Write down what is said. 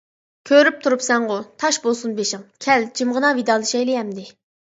كۆرۈپ تۇرۇپسەنغۇ، تاش بولسۇن بېشىڭ، كەل جىمغىنا ۋىدالىشايلى ئەمدى.